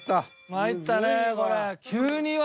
まいったねこれ。